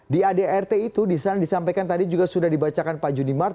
di adart itu disana disampaikan tadi juga sudah dibacakan pak juni mart